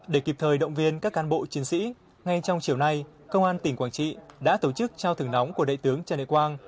để kịp thời động viên các cán bộ chiến sĩ ngay trong chiều nay công an tỉnh quảng trị đã tổ chức trao thưởng nóng của đại tướng trần đại quang